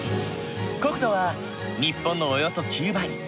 国土は日本のおよそ９倍。